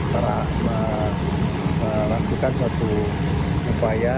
telah melakukan suatu upaya